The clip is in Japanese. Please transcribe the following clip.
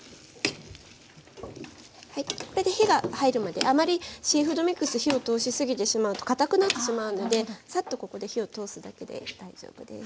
これで火が入るまであまりシーフードミックス火を通しすぎてしまうとかたくなってしまうのでさっとここで火を通すだけで大丈夫です。